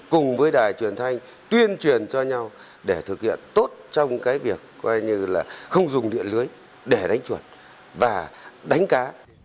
cùng với đài truyền thanh tuyên truyền cho nhau để thực hiện tốt trong cái việc là không dùng điện lưới để đánh chuột và đánh cá